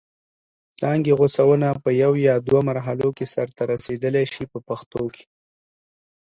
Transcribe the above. څانګې غوڅونه په یوه یا دوه مرحلو کې سرته رسیدلای شي په پښتو کې.